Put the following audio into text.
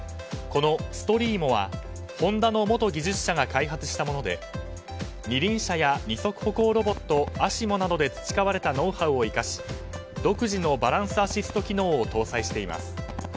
このＳｔｒｉｅｍｏはホンダの元技術者が開発したもので２輪車や二足歩行ロボットＡＳＩＭＯなどで培われたノウハウを生かし独自のバランスアシスト機能を搭載しています。